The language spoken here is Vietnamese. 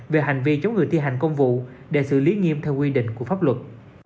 về hành vi chống người thi hành công vụ để xử lý nghiêm theo quy định của pháp luật